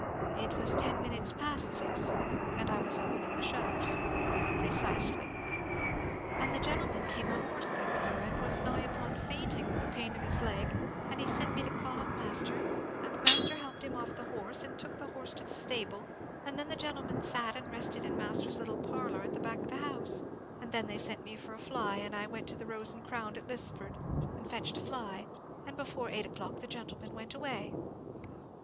"It was ten minutes past six, sir, and I was opening the shutters." "Precisely." "And the gentleman came on horseback, sir, and was nigh upon fainting with the pain of his leg; and he sent me to call up master, and master helped him off the horse, and took the horse to the stable; and then the gentleman sat and rested in master's little parlour at the back of the house; and then they sent me for a fly, and I went to the Rose and Crown at Lisford, and fetched a fly; and before eight o'clock the gentleman went away."